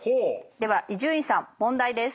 では伊集院さん問題です。